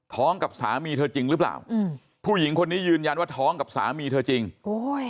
กับสามีเธอจริงหรือเปล่าอืมผู้หญิงคนนี้ยืนยันว่าท้องกับสามีเธอจริงโอ้ย